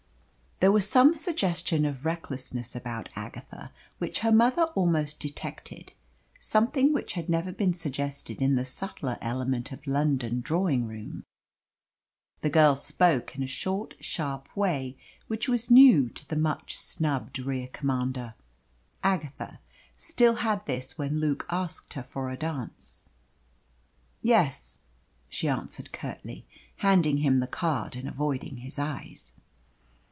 There was some suggestion of recklessness about Agatha, which her mother almost detected something which had never been suggested in the subtler element of London drawing room. The girl spoke in a short, sharp way which was new to the much snubbed rear commander. Agatha still had this when Luke asked her for a dance. "Yes," she answered curtly, handing him the card and avoiding his eyes.